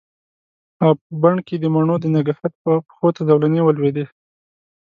او په بڼ کې د مڼو د نګهت پښو ته زولنې ولویدې